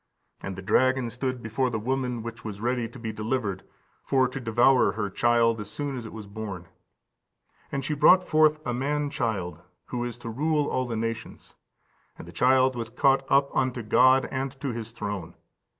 And the dragon stood before the woman which was ready to be delivered, for to devour her child as soon as it was born. And she brought forth a man child, who is to rule all the nations: and the child was caught up unto God and to His throne.